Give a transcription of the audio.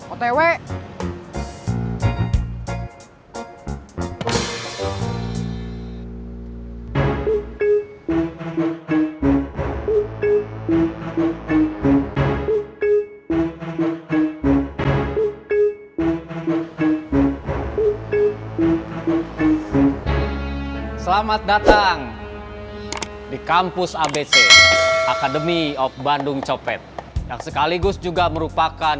otw selamat datang di kampus abc academy of bandung cofed yang sekaligus juga merupakan